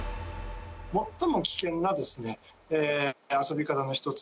最も危険な遊び方の一つ。